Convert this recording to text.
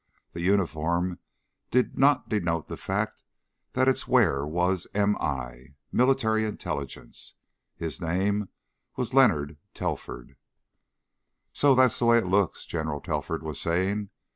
The uniform did not denote the fact that its wearer was M.I. Military Intelligence. His name was Leonard Telford. "So that's the way it looks," General Telford was saying.